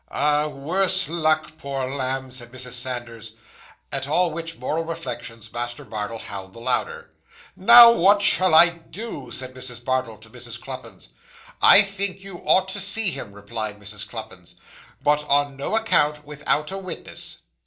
'Ah! worse luck, poor lamb!' said Mrs. Sanders. At all which moral reflections, Master Bardell howled the louder. 'Now, what shall I do?' said Mrs. Bardell to Mrs. Cluppins. 'I think you ought to see him,' replied Mrs. Cluppins. 'But on no account without a witness.